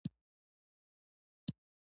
ځینې سترګې داسې دي چې لیدونکی پرې روږدی شي.